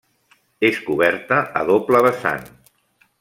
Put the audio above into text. És coberta a doble vessant.